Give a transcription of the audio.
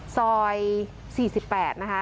ซอยสี่สิบแปดนะคะ